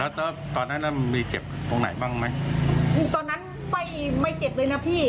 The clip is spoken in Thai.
แล้วตอนนั้นมีเจ็บตรงไหนบ้างไหมตอนนั้นไม่ไม่เจ็บเลยนะพี่